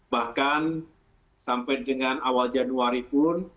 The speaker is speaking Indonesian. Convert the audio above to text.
bahkan sampai dengan awal januari pun